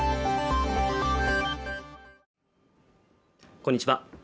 こんにちは